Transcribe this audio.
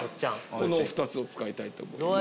この２つを使いたいと思います